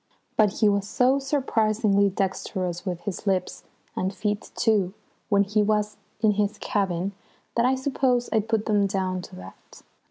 But he was so surprisingly dexterous with his lips, and feet too, when he was in his cabin that I suppose I put them down to that.